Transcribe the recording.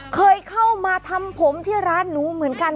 เคยเข้ามาทำผมที่ร้านหนูเหมือนกัน